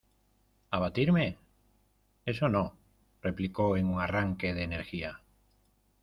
¿Abatirme? ¡Eso no! replicó en un arranque de energía.